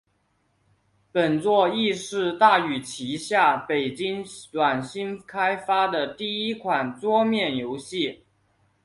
本作亦是大宇旗下北京软星开发的第一款桌面游戏。